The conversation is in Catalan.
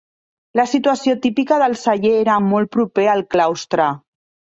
La situació típica del celler era molt proper al claustre.